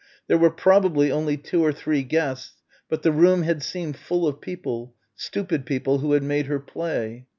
There were probably only two or three guests, but the room had seemed full of people, stupid people who had made her play.